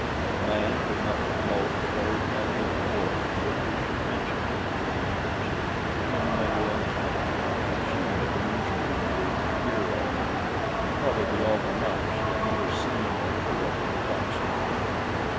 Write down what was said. The man could not but note the very evident horror with which she mentioned the creatures. To him they were uncanny; but she had been used to them for a year almost, and probably all her life she had either seen or heard of them constantly.